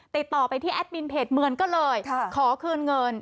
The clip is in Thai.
ติดต่อไปที่แอดมินเพจเหมือนก็เลยขอคืนเงิน